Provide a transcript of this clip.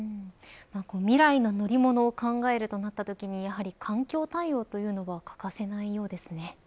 未来の乗り物を考えるとなったときにやはり環境対応というのは欠かせないようですね。